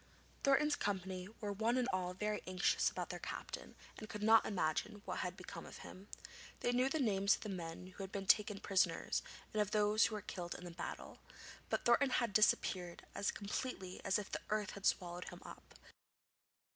Thornton's company were one and all very anxious about their captain and could not imagine what had become of him. They knew the names of the men who had been taken prisoners and of those who were killed in battle, but Thornton had disappeared as completely as if the earth had swallowed him up.